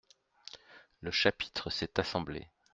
Le chapitre s'est assemblé.